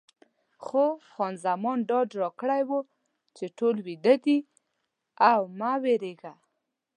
خو خان زمان ډاډ راکړی و چې ټول ویده دي او مه وېرېږه.